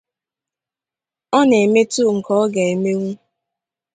ọ na-emetụ nke ọ ga-emenwu